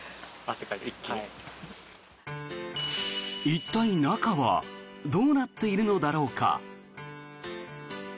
一体、中はどうなっているのだろうか。